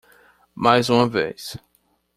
Mais uma vez.